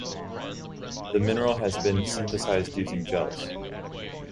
The mineral has been synthesized using gels.